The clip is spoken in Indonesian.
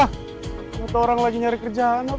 ternyata orang lagi mencari kerjaan pak